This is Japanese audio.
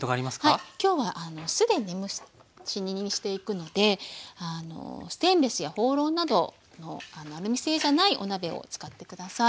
はい今日は既に蒸し煮にしていくのでステンレスやホウロウなどのアルミ製じゃないお鍋を使って下さい。